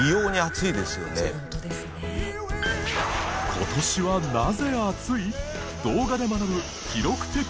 今年はなぜ暑い？